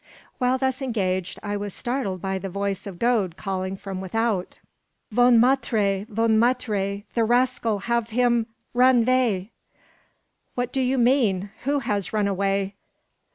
While thus engaged I was startled by the voice of Gode calling from without, "Von maitre! von maitre! the rascal have him run vay!" "What do you mean? Who has run away?"